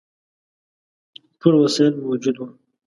ټول وسایل موجود وه.